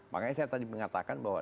makanya saya tadi mengatakan bahwa